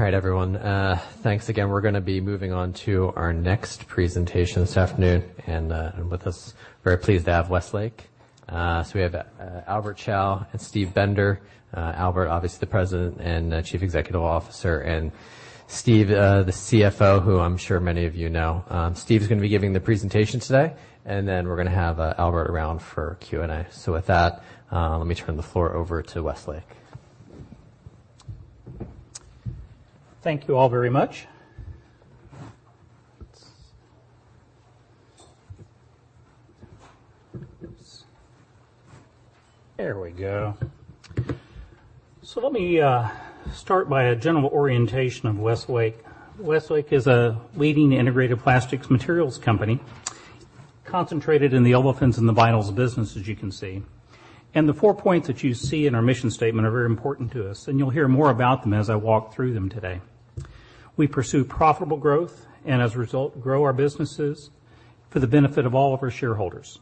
All right, everyone. Thanks again. We're going to be moving on to our next presentation this afternoon, with us, very pleased to have Westlake. We have Albert Chao and Steve Bender. Albert, obviously, the President and Chief Executive Officer, and Steve, the CFO, who I'm sure many of you know. Steve's going to be giving the presentation today, and then we're going to have Albert around for Q&A. With that, let me turn the floor over to Westlake. Thank you all very much. There we go. Let me start by a general orientation of Westlake. Westlake is a leading integrated plastics materials company concentrated in the olefins and the vinyls business, as you can see. The four points that you see in our mission statement are very important to us, and you'll hear more about them as I walk through them today. We pursue profitable growth and as a result, grow our businesses for the benefit of all of our shareholders.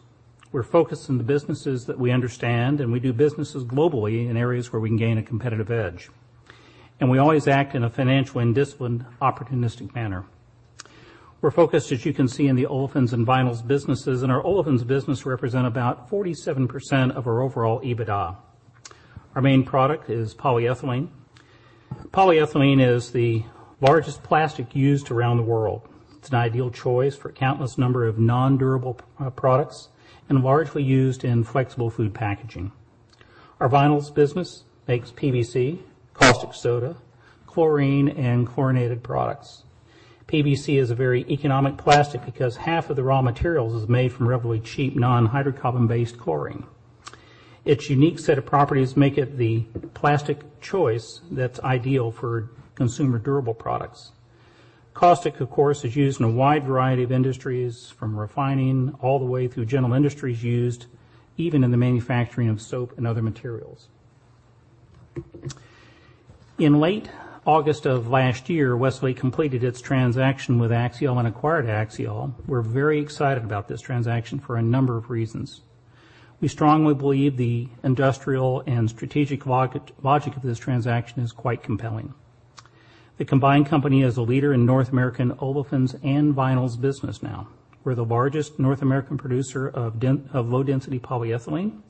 We're focused on the businesses that we understand, and we do businesses globally in areas where we can gain a competitive edge. We always act in a financially disciplined, opportunistic manner. We're focused, as you can see, in the olefins and vinyls businesses, and our olefins business represent about 47% of our overall EBITDA. Our main product is polyethylene. Polyethylene is the largest plastic used around the world. It's an ideal choice for a countless number of non-durable products and largely used in flexible food packaging. Our vinyls business makes PVC, caustic soda, chlorine, and chlorinated products. PVC is a very economic plastic because half of the raw materials is made from relatively cheap non-hydrocarbon based chlorine. Its unique set of properties make it the plastic choice that's ideal for consumer durable products. Caustic, of course, is used in a wide variety of industries, from refining all the way through general industries used, even in the manufacturing of soap and other materials. In late August of last year, Westlake completed its transaction with Axiall and acquired Axiall. We're very excited about this transaction for a number of reasons. We strongly believe the industrial and strategic logic of this transaction is quite compelling. The combined company is a leader in North American olefins and vinyls business now. We're the largest North American producer of low density polyethylene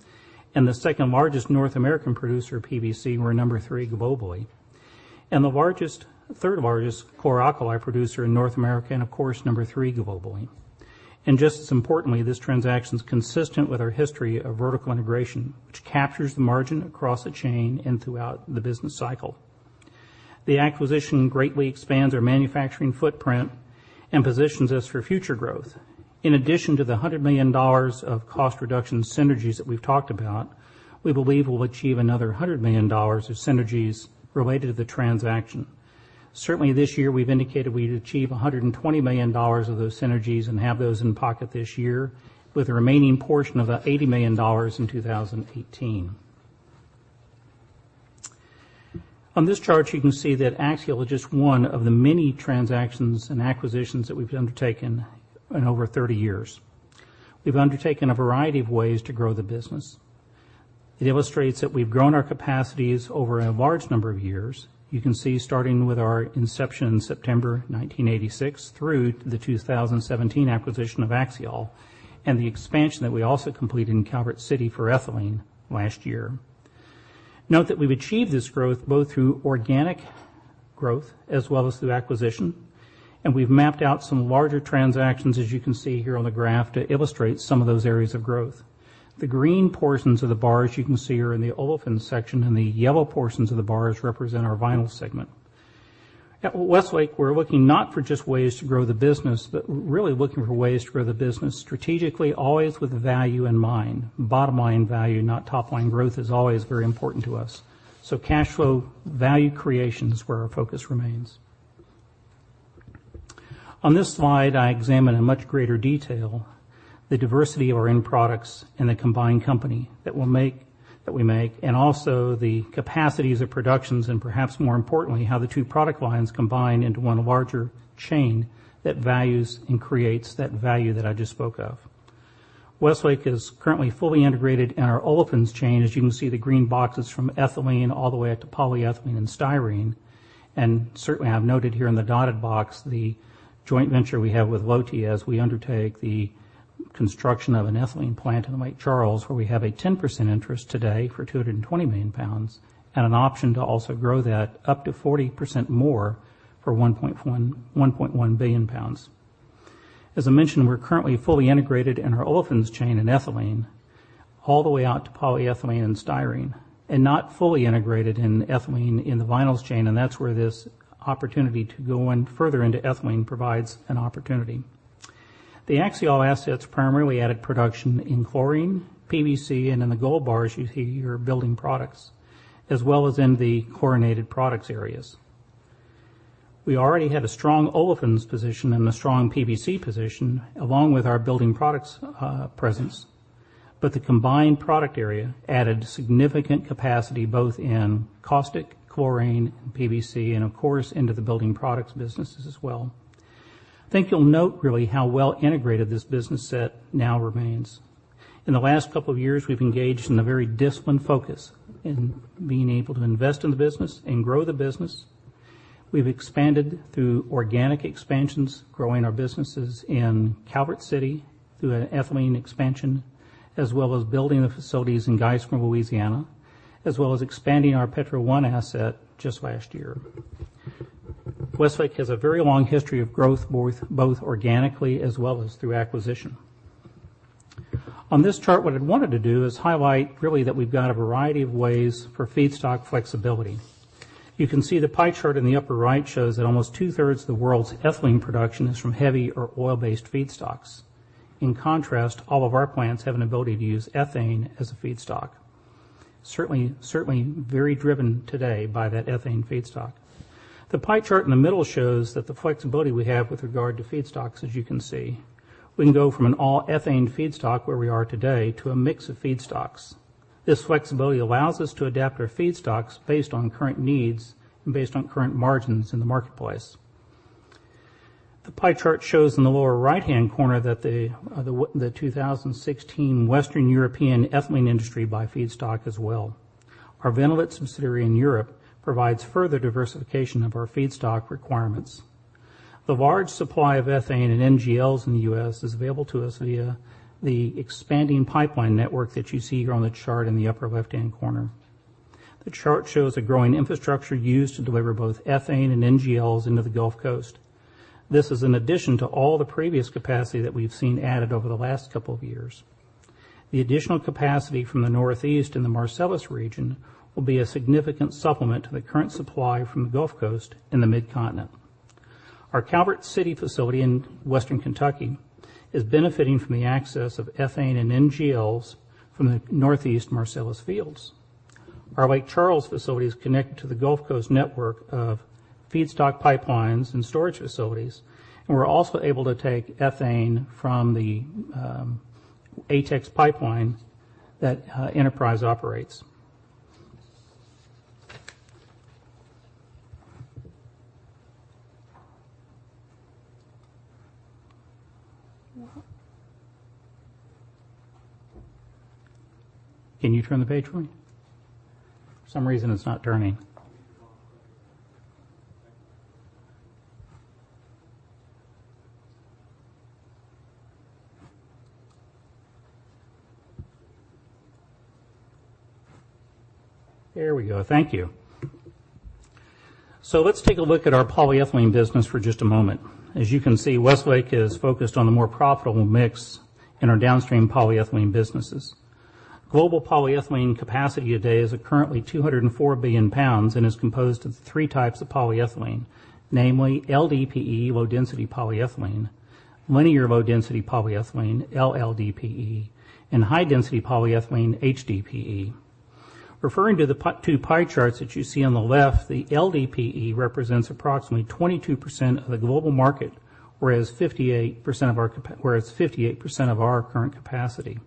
and the second largest North American producer of PVC. We're number three globally and the third largest chlor-alkali producer in North America, and of course, number three globally. Just as importantly, this transaction is consistent with our history of vertical integration, which captures the margin across the chain and throughout the business cycle. The acquisition greatly expands our manufacturing footprint and positions us for future growth. In addition to the $100 million of cost reduction synergies that we've talked about, we believe we'll achieve another $100 million of synergies related to the transaction. Certainly this year we've indicated we'd achieve $120 million of those synergies and have those in pocket this year with a remaining portion of $80 million in 2018. On this chart, you can see that Axiall is just one of the many transactions and acquisitions that we've undertaken in over 30 years. We've undertaken a variety of ways to grow the business. It illustrates that we've grown our capacities over a large number of years. You can see starting with our inception in September 1986 through the 2017 acquisition of Axiall and the expansion that we also completed in Calvert City for ethylene last year. Note that we've achieved this growth both through organic growth as well as through acquisition, and we've mapped out some larger transactions, as you can see here on the graph, to illustrate some of those areas of growth. The green portions of the bars you can see are in the olefins section, and the yellow portions of the bars represent our vinyl segment. At Westlake, we're looking not for just ways to grow the business, but really looking for ways to grow the business strategically, always with value in mind. Bottom line value, not top line growth is always very important to us. Cash flow value creation is where our focus remains. On this slide, I examine in much greater detail the diversity of our end products in the combined company that we make, and also the capacities of productions, and perhaps more importantly, how the two product lines combine into one larger chain that values and creates that value that I just spoke of. Westlake is currently fully integrated in our olefins chain. As you can see, the green boxes from ethylene all the way up to polyethylene and styrene. Certainly, I've noted here in the dotted box the joint venture we have with Lotte as we undertake the construction of an ethylene plant in Lake Charles where we have a 10% interest today for 220 million pounds and an option to also grow that up to 40% more for 1.1 billion pounds. As I mentioned, we're currently fully integrated in our olefins chain in ethylene all the way out to polyethylene and styrene and not fully integrated in ethylene in the vinyls chain and that's where this opportunity to go in further into ethylene provides an opportunity. The Axiall assets primarily added production in chlorine, PVC, and in the gold bars you see here, building products, as well as in the chlorinated products areas. We already had a strong olefins position and a strong PVC position along with our building products presence. The combined product area added significant capacity both in caustic, chlorine, PVC, and of course into the building products businesses as well. I think you'll note really how well integrated this business set now remains. In the last couple of years, we've engaged in a very disciplined focus in being able to invest in the business and grow the business. We've expanded through organic expansions, growing our businesses in Calvert City through an ethylene expansion, as well as building the facilities in Geismar, Louisiana, as well as expanding our Petro 1 asset just last year. Westlake has a very long history of growth, both organically as well as through acquisition. On this chart, what I'd wanted to do is highlight really that we've got a variety of ways for feedstock flexibility. You can see the pie chart in the upper right shows that almost two-thirds of the world's ethylene production is from heavy or oil-based feedstocks. In contrast, all of our plants have an ability to use ethane as a feedstock. Certainly very driven today by that ethane feedstock. The pie chart in the middle shows that the flexibility we have with regard to feedstocks, as you can see. We can go from an all ethane feedstock where we are today to a mix of feedstocks. This flexibility allows us to adapt our feedstocks based on current needs and based on current margins in the marketplace. The pie chart shows in the lower right-hand corner the 2016 Western European ethylene industry by feedstock as well. Our Vinnolit subsidiary in Europe provides further diversification of our feedstock requirements. The large supply of ethane and NGLs in the U.S. is available to us via the expanding pipeline network that you see here on the chart in the upper left-hand corner. The chart shows a growing infrastructure used to deliver both ethane and NGLs into the Gulf Coast. This is in addition to all the previous capacity that we've seen added over the last couple of years. The additional capacity from the Northeast and the Marcellus region will be a significant supplement to the current supply from the Gulf Coast and the Mid-Continent. Our Calvert City facility in Western Kentucky is benefiting from the access of ethane and NGLs from the Northeast Marcellus fields. Our Lake Charles facility is connected to the Gulf Coast network of feedstock pipelines and storage facilities, and we're also able to take ethane from the ATEX pipeline that Enterprise operates. Can you turn the page for me? For some reason, it's not turning. There we go. Thank you. Let's take a look at our polyethylene business for just a moment. As you can see, Westlake is focused on the more profitable mix in our downstream polyethylene businesses. Global polyethylene capacity today is currently 204 billion pounds and is composed of 3 types of polyethylene, namely LDPE, low density polyethylene, linear low density polyethylene, LLDPE, and high density polyethylene, HDPE. Referring to the two pie charts that you see on the left, the LDPE represents approximately 22% of the global market, whereas 58% of our current capacity.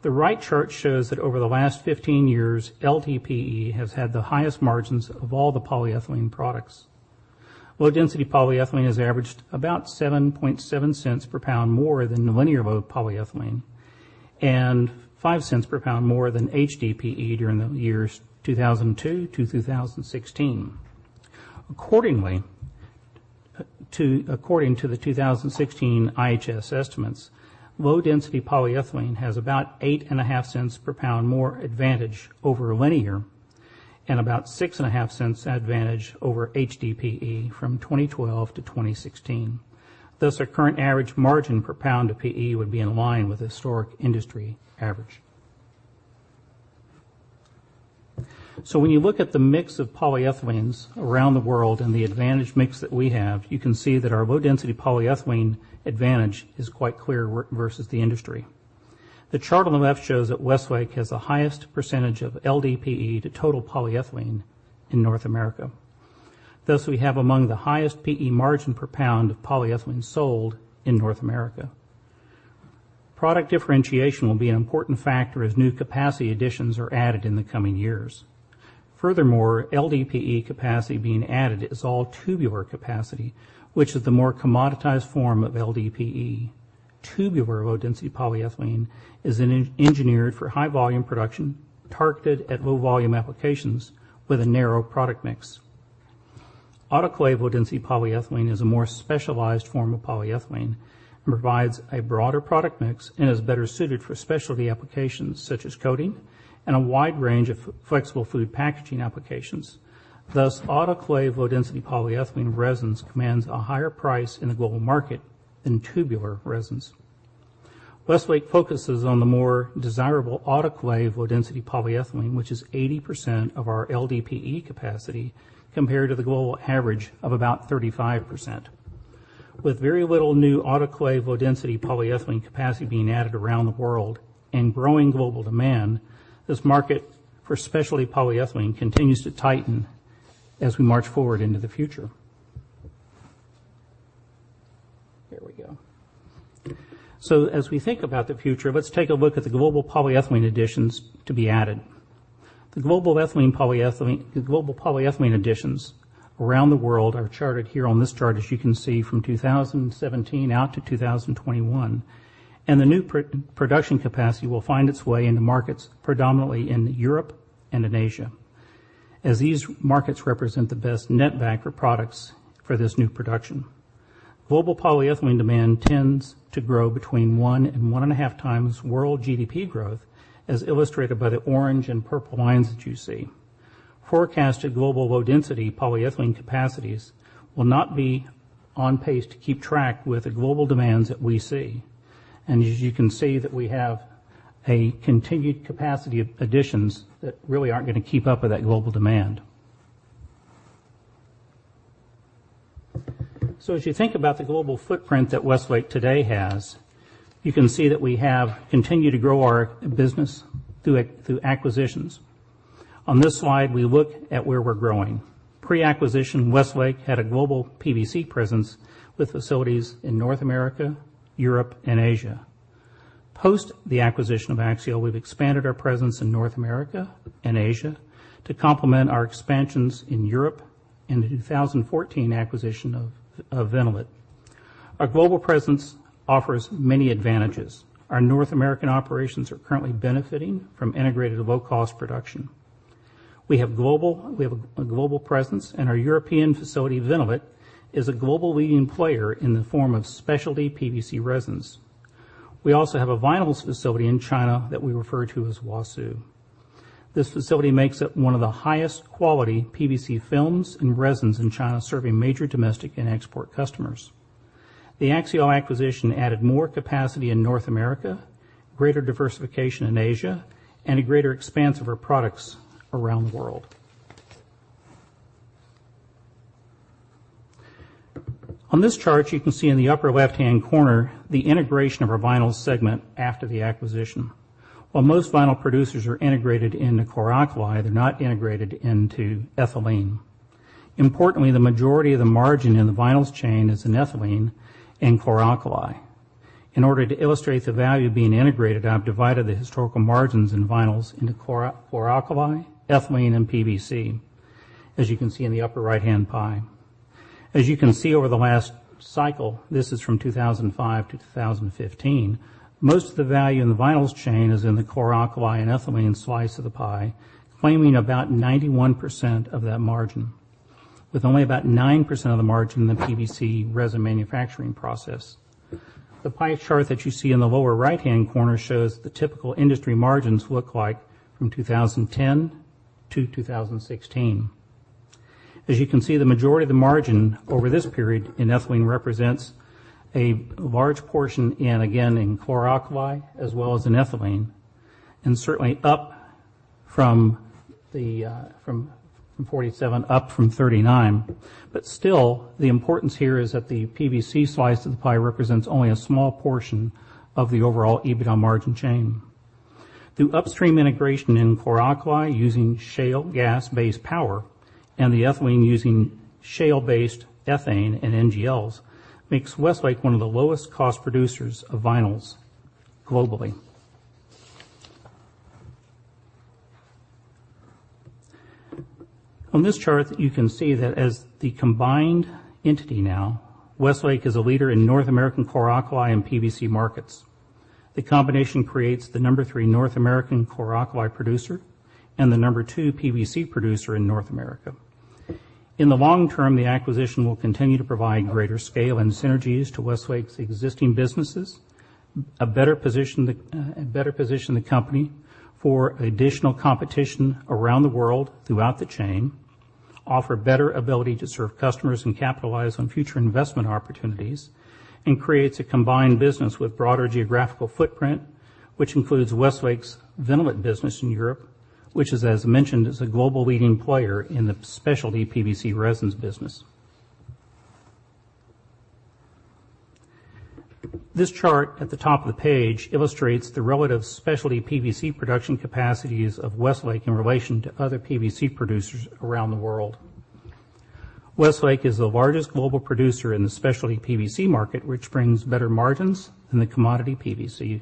The right chart shows that over the last 15 years, LDPE has had the highest margins of all the polyethylene products. Low density polyethylene has averaged about $0.077 per pound more than the linear low polyethylene and $0.05 per pound more than HDPE during the years 2002 to 2016. According to the 2016 IHS estimates, low density polyethylene has about $0.085 per pound more advantage over linear and about $0.065 advantage over HDPE from 2012 to 2016. Thus, our current average margin per pound of PE would be in line with historic industry average. When you look at the mix of polyethylenes around the world and the advantage mix that we have, you can see that our low density polyethylene advantage is quite clear versus the industry. The chart on the left shows that Westlake has the highest percentage of LDPE to total polyethylene in North America. Thus, we have among the highest PE margin per pound of polyethylene sold in North America. Product differentiation will be an important factor as new capacity additions are added in the coming years. Furthermore, LDPE capacity being added is all tubular capacity, which is the more commoditized form of LDPE. Tubular low-density polyethylene is engineered for high volume production, targeted at low volume applications with a narrow product mix. Autoclave low-density polyethylene is a more specialized form of polyethylene and provides a broader product mix and is better suited for specialty applications such as coating and a wide range of flexible food packaging applications. Thus, autoclave low-density polyethylene resins commands a higher price in the global market than tubular resins. Westlake focuses on the more desirable autoclave low-density polyethylene, which is 80% of our LDPE capacity compared to the global average of about 35%. With very little new autoclave low-density polyethylene capacity being added around the world and growing global demand, this market for specialty polyethylene continues to tighten as we march forward into the future. Here we go. As we think about the future, let's take a look at the global polyethylene additions to be added. The global polyethylene additions around the world are charted here on this chart, as you can see, from 2017 out to 2021. The new production capacity will find its way into markets predominantly in Europe and in Asia, as these markets represent the best netback for products for this new production. Global polyethylene demand tends to grow between one and one and a half times world GDP growth, as illustrated by the orange and purple lines that you see. Forecasted global low-density polyethylene capacities will not be on pace to keep track with the global demands that we see. As you can see that we have a continued capacity of additions that really aren't going to keep up with that global demand. As you think about the global footprint that Westlake today has, you can see that we have continued to grow our business through acquisitions. On this slide, we look at where we're growing. Pre-acquisition, Westlake had a global PVC presence with facilities in North America, Europe, and Asia. Post the acquisition of Axiall, we've expanded our presence in North America and Asia to complement our expansions in Europe and the 2014 acquisition of Vinnolit. Our global presence offers many advantages. Our North American operations are currently benefiting from integrated low-cost production. We have a global presence, and our European facility, Vinnolit, is a global leading player in the form of specialty PVC resins. We also have a vinyls facility in China that we refer to as Suzhou. This facility makes up one of the highest quality PVC films and resins in China, serving major domestic and export customers. The Axiall acquisition added more capacity in North America, greater diversification in Asia, and a greater expanse of our products around the world. On this chart, you can see in the upper left hand corner the integration of our vinyl segment after the acquisition. While most vinyl producers are integrated into chlor-alkali, they're not integrated into ethylene. Importantly, the majority of the margin in the vinyls chain is in ethylene and chlor-alkali. In order to illustrate the value of being integrated, I've divided the historical margins and vinyls into chlor-alkali, ethylene, and PVC, as you can see in the upper right-hand pie. As you can see over the last cycle, this is from 2005-2015, most of the value in the vinyls chain is in the chlor-alkali and ethylene slice of the pie, claiming about 91% of that margin, with only about 9% of the margin in the PVC resin manufacturing process. The pie chart that you see in the lower right-hand corner shows the typical industry margins look like from 2010-2016. As you can see, the majority of the margin over this period in ethylene represents a large portion in, again, in chlor-alkali as well as in ethylene, and certainly up from 47% up from 39%. Still, the importance here is that the PVC slice of the pie represents only a small portion of the overall EBITDA margin chain. Through upstream integration in chlor-alkali using shale gas-based power and the ethylene using shale-based ethane and NGLs makes Westlake one of the lowest cost producers of vinyls globally. On this chart, you can see that as the combined entity now, Westlake is a leader in North American chlor-alkali and PVC markets. The combination creates the number 3 North American chlor-alkali producer and the number 2 PVC producer in North America. In the long term, the acquisition will continue to provide greater scale and synergies to Westlake's existing businesses, better position the company for additional competition around the world throughout the chain, offer better ability to serve customers and capitalize on future investment opportunities, and creates a combined business with broader geographical footprint, which includes Westlake's Vinnolit business in Europe, which is, as mentioned, is a global leading player in the specialty PVC resins business. This chart at the top of the page illustrates the relative specialty PVC production capacities of Westlake in relation to other PVC producers around the world. Westlake is the largest global producer in the specialty PVC market, which brings better margins than the commodity PVC.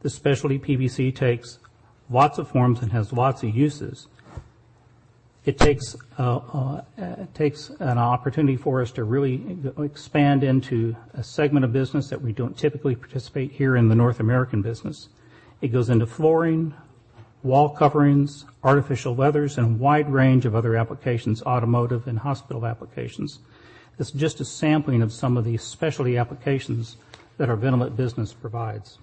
The specialty PVC takes lots of forms and has lots of uses. It takes an opportunity for us to really expand into a segment of business that we don't typically participate here in the North American business. It goes into flooring, wall coverings, artificial leathers, and a wide range of other applications, automotive and hospital applications. This is just a sampling of some of the specialty applications that our Vinnolit business provides.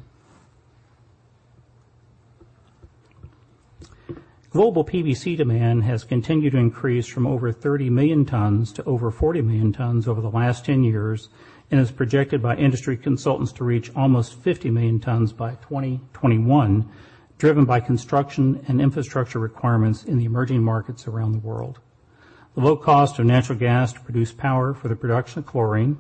Global PVC demand has continued to increase from over 30 million tons to over 40 million tons over the last 10 years and is projected by industry consultants to reach almost 50 million tons by 2021, driven by construction and infrastructure requirements in the emerging markets around the world. The low cost of natural gas to produce power for the production of chlorine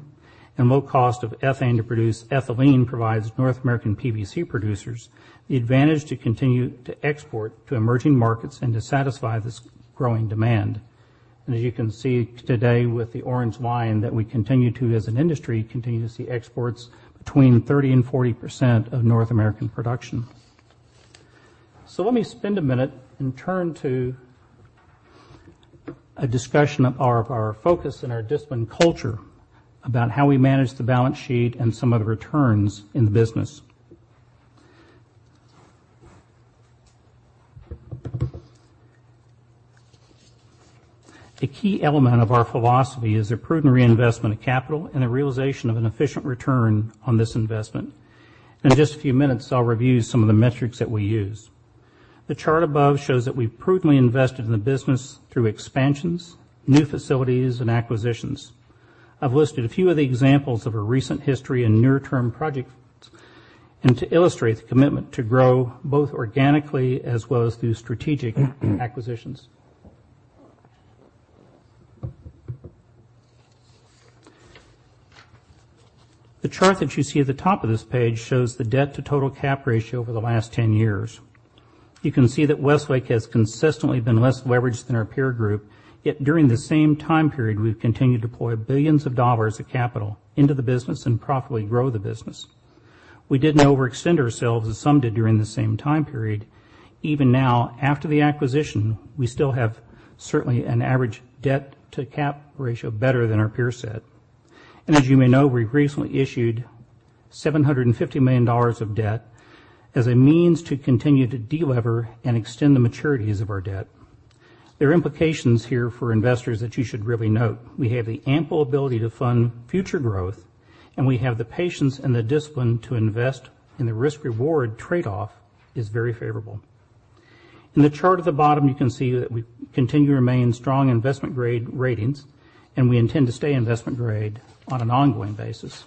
and low cost of ethane to produce ethylene provides North American PVC producers the advantage to continue to export to emerging markets and to satisfy this growing demand. As you can see today with the orange line, we continue to, as an industry, see exports between 30%-40% of North American production. Let me spend a minute and turn to a discussion of our focus and our disciplined culture about how we manage the balance sheet and some of the returns in the business. A key element of our philosophy is the prudent reinvestment of capital and the realization of an efficient return on this investment. In just a few minutes, I'll review some of the metrics that we use. The chart above shows that we've prudently invested in the business through expansions, new facilities, and acquisitions. I've listed a few of the examples of our recent history and near-term projects to illustrate the commitment to grow both organically as well as through strategic acquisitions. The chart that you see at the top of this page shows the debt to total cap ratio over the last 10 years. You can see that Westlake has consistently been less leveraged than our peer group, yet during the same time period, we've continued to deploy $billions of capital into the business and profitably grow the business. We didn't overextend ourselves as some did during the same time period. Even now, after the acquisition, we still have certainly an average debt to cap ratio better than our peer set. As you may know, we've recently issued $750 million of debt as a means to continue to de-lever and extend the maturities of our debt. There are implications here for investors that you should really note. We have the ample ability to fund future growth, we have the patience and the discipline to invest, and the risk-reward trade-off is very favorable. In the chart at the bottom, you can see that we continue to remain strong investment grade ratings, we intend to stay investment grade on an ongoing basis.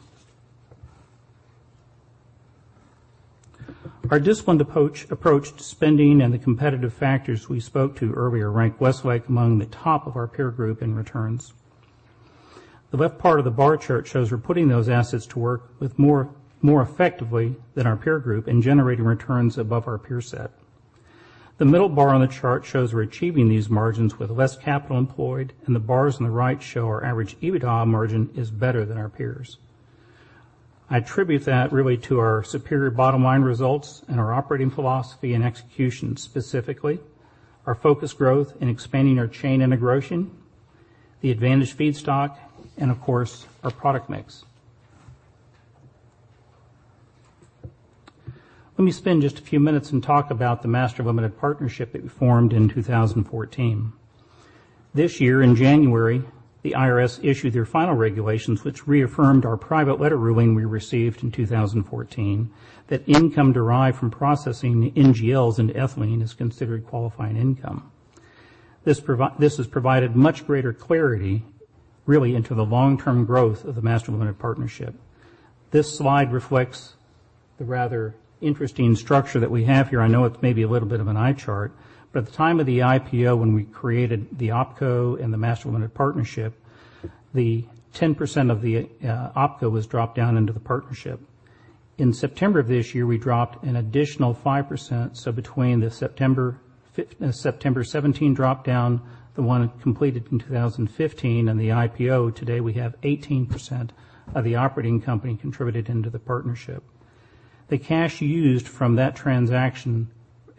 Our disciplined approach to spending and the competitive factors we spoke to earlier rank Westlake among the top of our peer group in returns. The left part of the bar chart shows we're putting those assets to work more effectively than our peer group and generating returns above our peer set. The middle bar on the chart shows we're achieving these margins with less capital employed, the bars on the right show our average EBITDA margin is better than our peers. I attribute that really to our superior bottom-line results and our operating philosophy and execution, specifically. Our focused growth in expanding our chain integration, the advantaged feedstock, and of course, our product mix. Let me spend just a few minutes and talk about the master limited partnership that we formed in 2014. This year in January, the IRS issued their final regulations, which reaffirmed our private letter ruling we received in 2014 that income derived from processing NGLs into ethylene is considered qualifying income. This has provided much greater clarity, really into the long-term growth of the master limited partnership. This slide reflects the rather interesting structure that we have here. I know it may be a little bit of an eye chart, at the time of the IPO when we created the OpCo and the master limited partnership, the 10% of the OpCo was dropped down into the partnership. In September of this year, we dropped an additional 5%. Between the September 17 drop-down, the one completed in 2015, and the IPO today, we have 18% of the operating company contributed into the partnership. The cash used from that transaction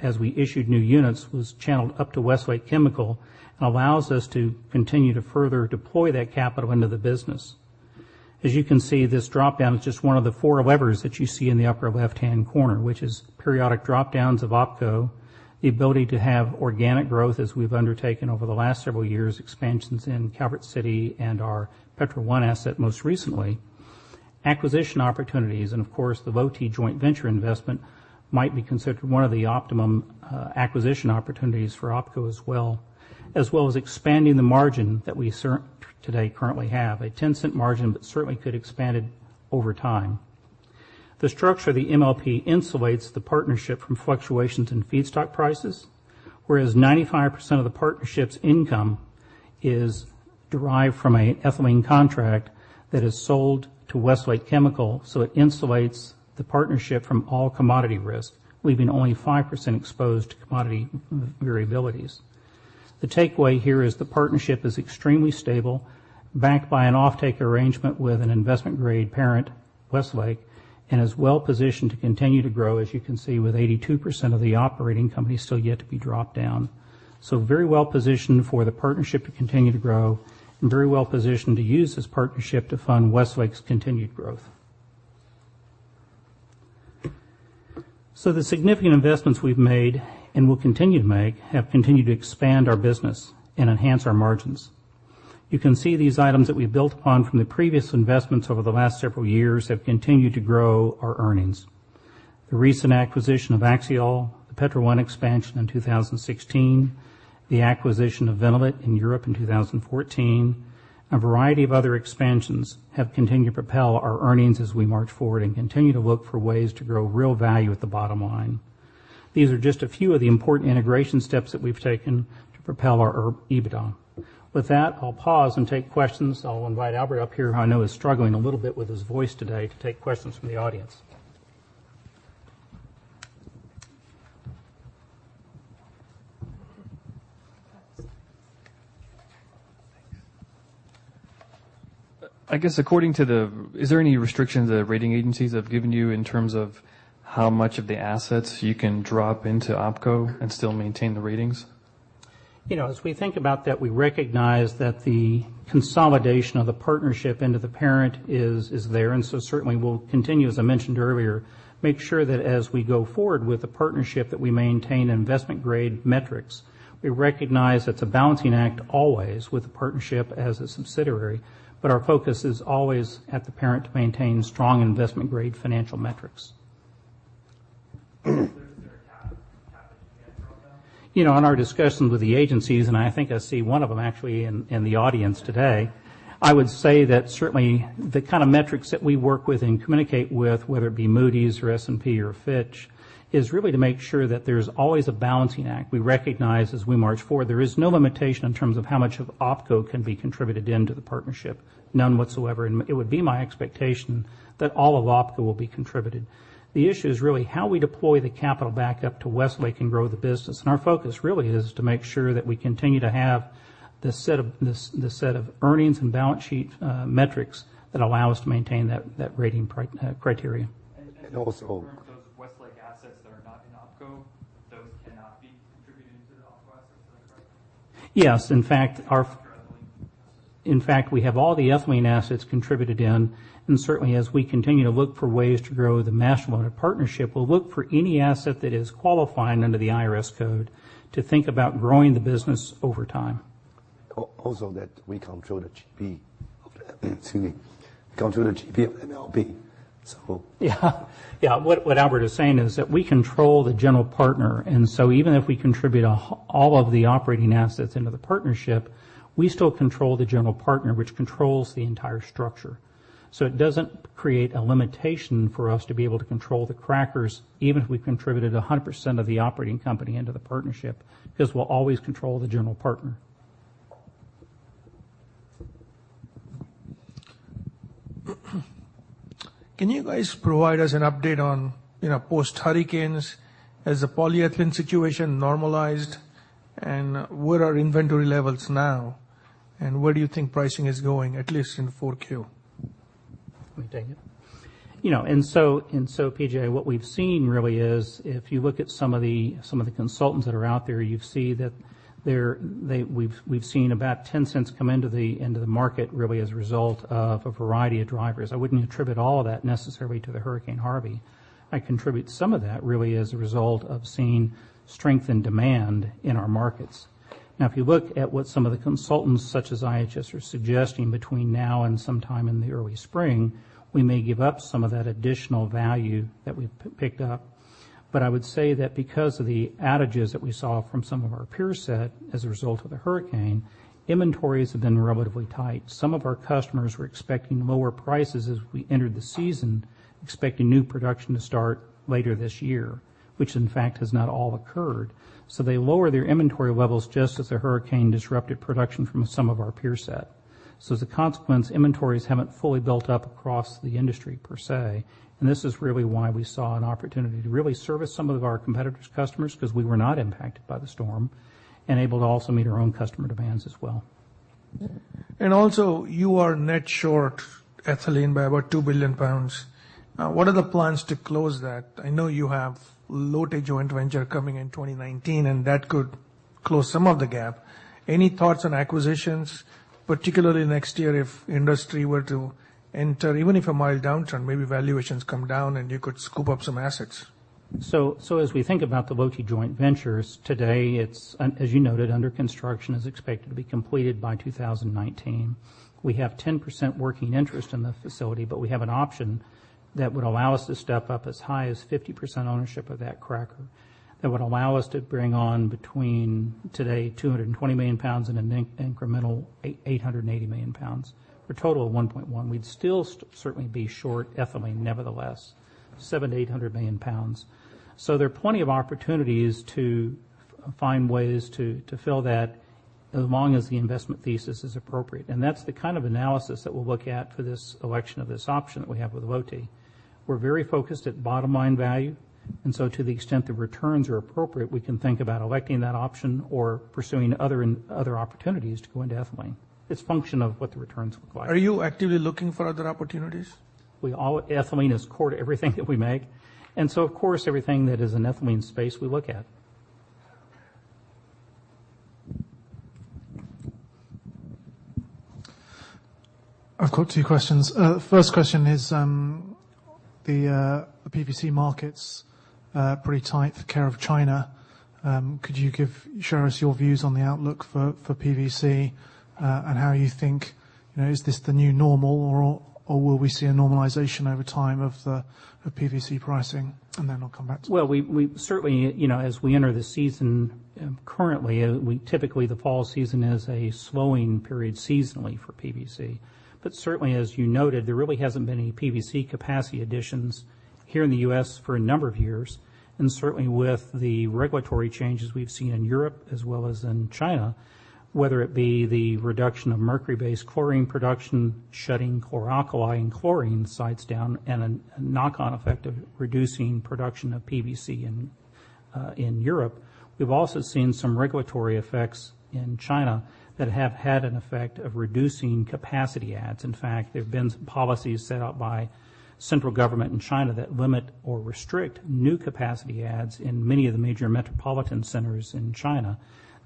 as we issued new units was channeled up to Westlake Chemical and allows us to continue to further deploy that capital into the business. As you can see, this drop-down is just one of the four levers that you see in the upper left-hand corner, which is periodic drop-downs of OpCo, the ability to have organic growth as we've undertaken over the last several years, expansions in Calvert City and our Petro 1 asset most recently. Acquisition opportunities, and of course, the Vinnolit joint venture investment might be considered one of the optimum acquisition opportunities for OpCo as well, as well as expanding the margin that we today currently have. A $0.10 margin, certainly could expand it over time. The structure of the MLP insulates the partnership from fluctuations in feedstock prices, whereas 95% of the partnership's income is derived from an ethylene contract that is sold to Westlake Chemical. It insulates the partnership from all commodity risk, leaving only 5% exposed to commodity variabilities. The takeaway here is the partnership is extremely stable, backed by an offtake arrangement with an investment grade parent, Westlake, and is well positioned to continue to grow, as you can see, with 82% of the operating company still yet to be dropped down. Very well positioned for the partnership to continue to grow and very well positioned to use this partnership to fund Westlake's continued growth. The significant investments we've made and will continue to make have continued to expand our business and enhance our margins. You can see these items that we've built upon from the previous investments over the last several years have continued to grow our earnings. The recent acquisition of Axiall, the Petro 1 expansion in 2016, the acquisition of Vinnolit in Europe in 2014, a variety of other expansions have continued to propel our earnings as we march forward and continue to look for ways to grow real value at the bottom line. These are just a few of the important integration steps that we've taken to propel our EBITDA. With that, I'll pause and take questions. I'll invite Albert up here, who I know is struggling a little bit with his voice today to take questions from the audience. I guess according to Is there any restrictions the rating agencies have given you in terms of how much of the assets you can drop into OpCo and still maintain the ratings? As we think about that, we recognize that the consolidation of the partnership into the parent is there, and so certainly we'll continue, as I mentioned earlier, make sure that as we go forward with the partnership, that we maintain investment grade metrics. We recognize it's a balancing act always with a partnership as a subsidiary, but our focus is always at the parent to maintain strong investment grade financial metrics. Is there a cap that you can't drop down? In our discussions with the agencies, and I think I see one of them actually in the audience today, I would say that certainly the kind of metrics that we work with and communicate with, whether it be Moody's or S&P or Fitch, is really to make sure that there's always a balancing act. We recognize as we march forward, there is no limitation in terms of how much of OpCo can be contributed into the partnership, none whatsoever. It would be my expectation that all of OpCo will be contributed. The issue is really how we deploy the capital back up to Westlake and grow the business. Our focus really is to make sure that we continue to have this set of earnings and balance sheet metrics that allow us to maintain that rating criteria. And also- And also- Those Westlake assets that are not in OpCo, those cannot be contributed to the OpCo assets. Is that correct? Yes. In fact, The ethylene assets. We have all the ethylene assets contributed in, and certainly as we continue to look for ways to grow the master-limited partnership, we'll look for any asset that is qualifying under the IRS code to think about growing the business over time. That we control the GP of MLP. Yeah. What Albert is saying is that we control the general partner, even if we contribute all of the operating assets into the partnership, we still control the general partner, which controls the entire structure. It doesn't create a limitation for us to be able to control the crackers, even if we contributed 100% of the operating company into the partnership, because we'll always control the general partner. Can you guys provide us an update on post hurricanes? Has the polyethylene situation normalized? Where are inventory levels now? Where do you think pricing is going, at least in the 4Q? You want to take it? PJ, what we've seen really is if you look at some of the consultants that are out there, you see that we've seen about $0.10 come into the market really as a result of a variety of drivers. I wouldn't attribute all of that necessarily to the Hurricane Harvey. I contribute some of that really as a result of seeing strength in demand in our markets. If you look at what some of the consultants, such as IHS, are suggesting between now and sometime in the early spring, we may give up some of that additional value that we've picked up. I would say that because of the outages that we saw from some of our peer set as a result of the hurricane, inventories have been relatively tight. Some of our customers were expecting lower prices as we entered the season, expecting new production to start later this year, which in fact has not all occurred. They lower their inventory levels just as the hurricane disrupted production from some of our peer set. As a consequence, inventories haven't fully built up across the industry per se, and this is really why we saw an opportunity to really service some of our competitors' customers because we were not impacted by the storm and able to also meet our own customer demands as well. Also, you are net short ethylene by about 2 billion pounds. What are the plans to close that? I know you have Lotte joint venture coming in 2019, and that could close some of the gap. Any thoughts on acquisitions, particularly next year if industry were to enter, even if a mild downturn, maybe valuations come down and you could scoop up some assets? As we think about the Lotte joint ventures today, it's as you noted, under construction, is expected to be completed by 2019. We have 10% working interest in the facility, but we have an option that would allow us to step up as high as 50% ownership of that cracker. That would allow us to bring on between today 220 million pounds and an incremental 880 million pounds for a total of 1.1. We'd still certainly be short ethylene, nevertheless, 700 million-800 million pounds. There are plenty of opportunities to find ways to fill that as long as the investment thesis is appropriate. That's the kind of analysis that we'll look at for this election of this option that we have with Lotte. We're very focused at bottom line value, and so to the extent the returns are appropriate, we can think about electing that option or pursuing other opportunities to go into ethylene. It's function of what the returns require. Are you actively looking for other opportunities? Ethylene is core to everything that we make, and so of course, everything that is in ethylene space, we look at. I've got two questions. First question is, the PVC market's pretty tight because of China. Could you share us your views on the outlook for PVC and how you think, is this the new normal or will we see a normalization over time of the PVC pricing? Then I'll come back to you. Well, certainly, as we enter the season currently, typically the fall season is a slowing period seasonally for PVC. Certainly, as you noted, there really hasn't been any PVC capacity additions here in the U.S. for a number of years. Certainly, with the regulatory changes we've seen in Europe as well as in China, whether it be the reduction of mercury-based chlorine production, shutting chlor-alkali and chlorine sites down, and a knock-on effect of reducing production of PVC in Europe. We've also seen some regulatory effects in China that have had an effect of reducing capacity adds. In fact, there have been some policies set out by central government in China that limit or restrict new capacity adds in many of the major metropolitan centers in China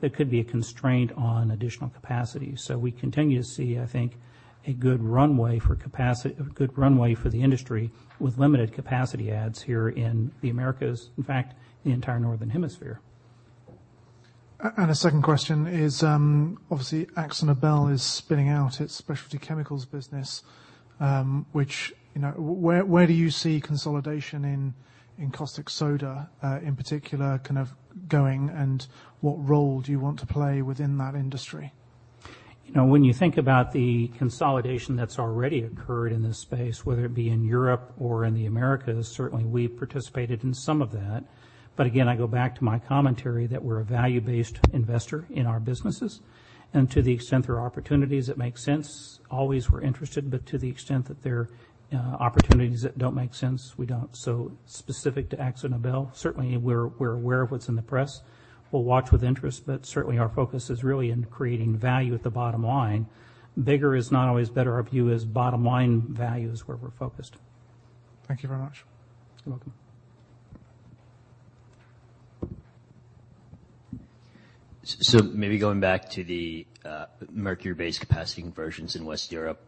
that could be a constraint on additional capacity. We continue to see, I think, a good runway for the industry with limited capacity adds here in the Americas. In fact, the entire northern hemisphere. A second question is, obviously, AkzoNobel is spinning out its specialty chemicals business. Where do you see consolidation in caustic soda, in particular, kind of going, and what role do you want to play within that industry? When you think about the consolidation that's already occurred in this space, whether it be in Europe or in the Americas, certainly we participated in some of that. Again, I go back to my commentary that we're a value-based investor in our businesses, and to the extent there are opportunities that make sense, always we're interested, but to the extent that there are opportunities that don't make sense, we don't. Specific to AkzoNobel, certainly we're aware of what's in the press. We'll watch with interest, but certainly our focus is really in creating value at the bottom line. Bigger is not always better. Our view is bottom line value is where we're focused. Thank you very much. You're welcome. Maybe going back to the mercury-based capacity conversions in West Europe.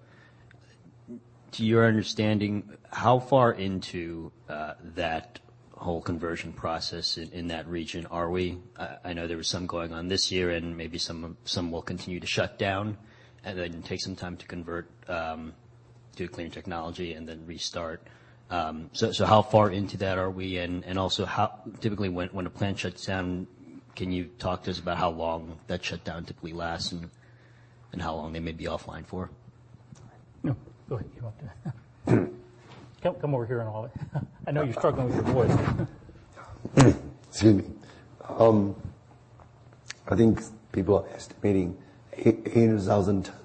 To your understanding, how far into that whole conversion process in that region are we? I know there was some going on this year and maybe some will continue to shut down and then take some time to convert to clean technology and then restart. How far into that are we and also, typically when a plant shuts down, can you talk to us about how long that shutdown typically lasts and how long they may be offline for? Go ahead. You want to? Come over here and holler. I know you're struggling with your voice. Excuse me. I think people are estimating 800,000 tons.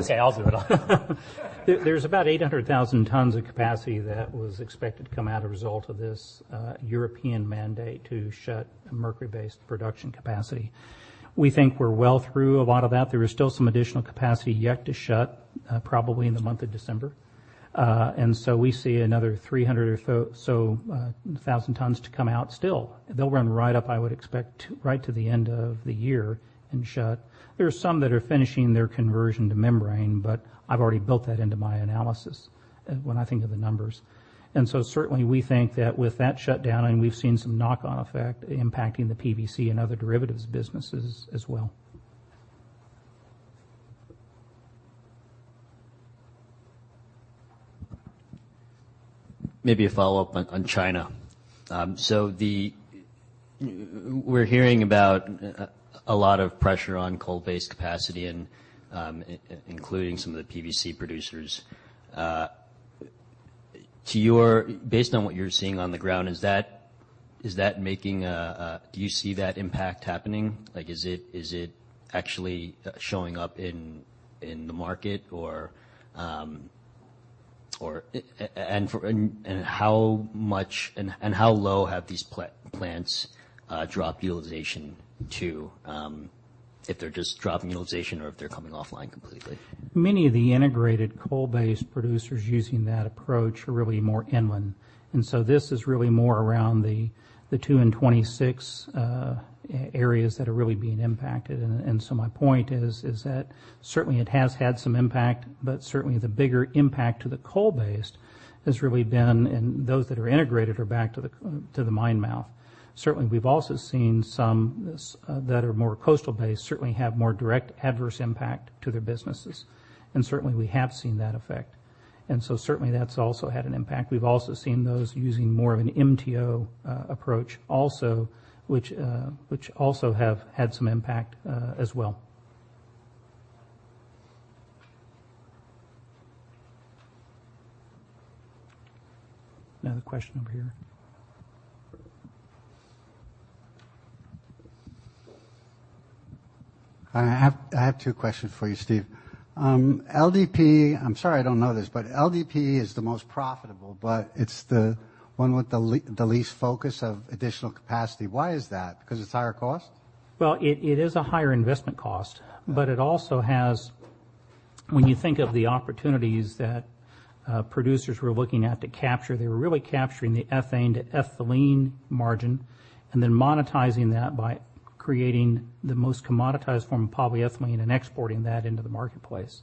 Okay, I'll do it. There's about 800,000 tons of capacity that was expected to come out as a result of this European mandate to shut mercury-based production capacity. We think we're well through a lot of that. There is still some additional capacity yet to shut, probably in the month of December. We see another 300,000 tons to come out still. They'll run right up, I would expect, right to the end of the year and shut. There are some that are finishing their conversion to membrane, but I've already built that into my analysis when I think of the numbers. Certainly we think that with that shutdown and we've seen some knock-on effect impacting the PVC and other derivatives businesses as well. Maybe a follow-up on China. We're hearing about a lot of pressure on coal-based capacity and including some of the PVC producers. Based on what you're seeing on the ground, do you see that impact happening? Is it actually showing up in the market or how low have these plants dropped utilization to if they're just dropping utilization or if they're coming offline completely? Many of the integrated coal-based producers using that approach are really more inland. This is really more around the 2+26 areas that are really being impacted. My point is that certainly it has had some impact but certainly the bigger impact to the coal-based has really been in those that are integrated or back to the mine mouth. Certainly we've also seen some that are more coastal based certainly have more direct adverse impact to their businesses and certainly we have seen that effect. Certainly that's also had an impact. We've also seen those using more of an MTO approach also which also have had some impact as well. Another question over here. I have two questions for you, Steve. LDPE, I'm sorry I don't know this, LDPE is the most profitable, it's the one with the least focus of additional capacity. Why is that? Because it's higher cost? Well, it is a higher investment cost, it also has, when you think of the opportunities that producers were looking at to capture, they were really capturing the ethane to ethylene margin and then monetizing that by creating the most commoditized form of polyethylene and exporting that into the marketplace.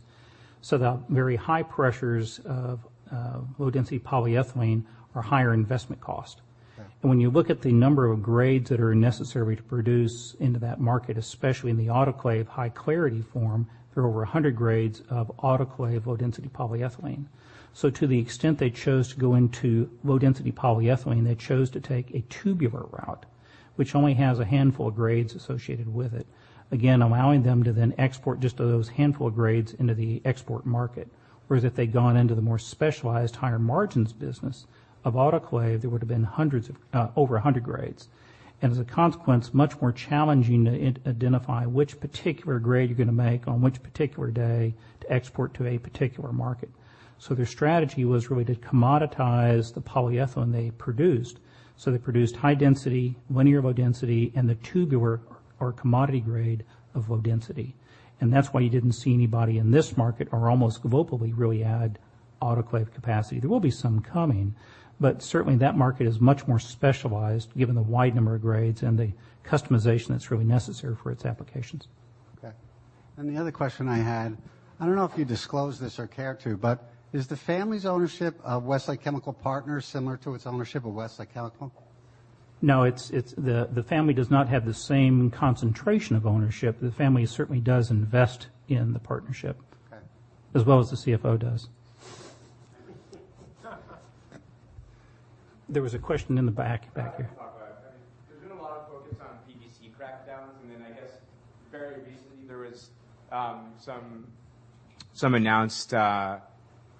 The very high pressures of low-density polyethylene are higher investment cost. Okay. When you look at the number of grades that are necessary to produce into that market, especially in the autoclave high clarity form, there are over 100 grades of autoclave low-density polyethylene. To the extent they chose to go into low-density polyethylene, they chose to take a tubular route, which only has a handful of grades associated with it, again, allowing them to then export just those handful of grades into the export market. Whereas if they'd gone into the more specialized higher margins business of autoclave, there would've been over 100 grades, and as a consequence, much more challenging to identify which particular grade you're going to make on which particular day to export to a particular market. Their strategy was really to commoditize the polyethylene they produced. They produced high density, linear low density, and the tubular or commodity grade of low density. That's why you didn't see anybody in this market or almost globally really add autoclave capacity. There will be some coming, but certainly that market is much more specialized given the wide number of grades and the customization that's really necessary for its applications. Okay. The other question I had, I don't know if you disclosed this or care to, but is the family's ownership of Westlake Chemical Partners similar to its ownership of Westlake Chemical? No, the family does not have the same concentration of ownership. The family certainly does invest in the partnership. Okay. As well as the CFO does. There was a question in the back here. I can talk about it. There has been a lot of focus on PVC crackdowns. Then I guess very recently there was some announced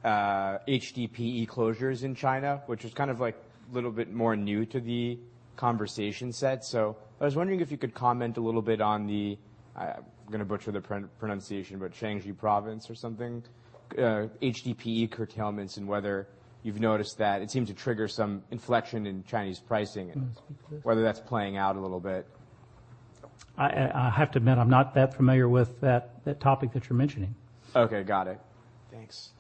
HDPE closures in China, which was a little bit more new to the conversation set. I was wondering if you could comment a little bit on the, I am going to butcher the pronunciation, but Shaanxi Province or something, HDPE curtailments and whether you have noticed that it seemed to trigger some inflection in Chinese pricing and. Speak please. Whether that is playing out a little bit. I have to admit, I am not that familiar with that topic that you are mentioning. Okay, got it. Thanks.